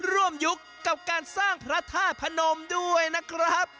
ยุคกับการสร้างพระธาตุพนมด้วยนะครับ